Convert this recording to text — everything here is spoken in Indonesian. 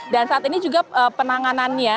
dan saat ini juga penanganannya